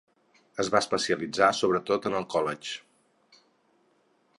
Es va especialitzar sobretot en el collage.